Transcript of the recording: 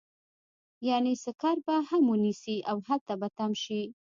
يعنې سکر به هم ونيسي او هلته به تم شي.